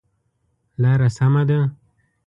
لاره سمه ده؟